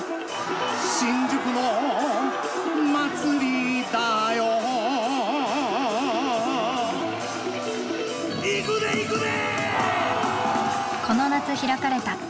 新宿の祭りだよいくでいくで！